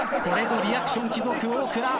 これぞリアクション貴族大倉。